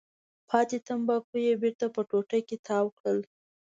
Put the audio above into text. پاتې تنباکو یې بېرته په ټوټه کې تاو کړل.